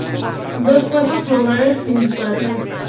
Dos cuencos globulares sin decoración.